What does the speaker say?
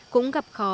cũng gặp khó